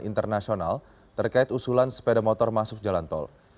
internasional terkait usulan sepeda motor masuk jalan tol